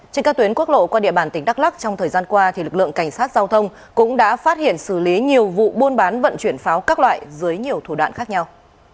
trên các tuyến quốc lộ qua địa bàn tỉnh đắk lắc trong thời gian qua lực lượng cảnh sát giao thông cũng đã phát hiện xử lý nhiều vụ buôn bán vận chuyển pháo các loại dưới nhiều thủ đoạn khác nhau